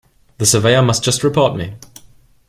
The Surveyor must just report me.